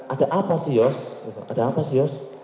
ada apa sih yos